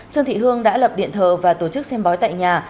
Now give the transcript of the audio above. trương thị hương đã lập điện thờ và tổ chức xem bói tại nhà